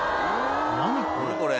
何これ？